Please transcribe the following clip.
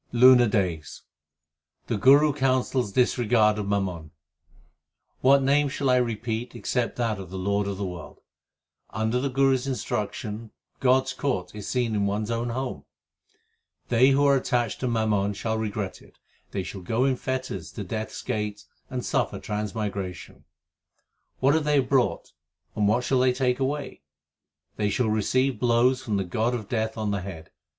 LUNAR DAYS The Guru counsels disregard of mammon : What name shall I repeat except that of the Lord of the world ? Under the Guru s instruction God s court is seen in one s own home. They who are attached to mammon shall regret it ; They shall go in fetters to Death s gate and suffer trans migration. What have they brought, and what shall they take away ? They shall receive blows from the god of death on the head.